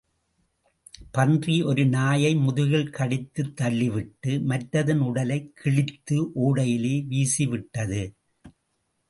பன்றி ஒரு நாயை முதுகில் கடித்துத் தள்ளிவிட்டு, மற்றதன் உடலைக் கிழித்து ஓடையிலே வீசிவிட்டது.